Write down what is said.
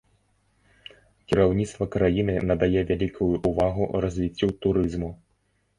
Кіраўніцтва краіны надае вялікую ўвагу развіццю турызму.